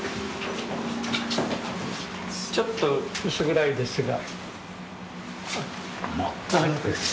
ちょっと薄暗いですが。